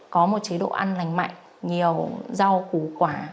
có một chế độ ăn lành mạnh nhiều rau củ quả